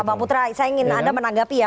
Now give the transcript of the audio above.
bang putra saya ingin anda menanggapi ya